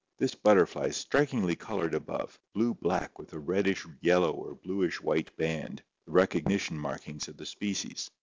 This butterfly is strikingly colored above, blue black with a reddish yellow or bluish white band, the recognition markings of the species.